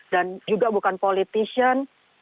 dan juga bukan politician